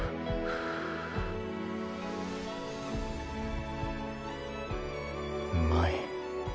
うまい。